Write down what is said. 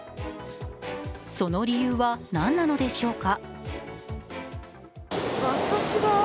その理由は何なのでしょうか。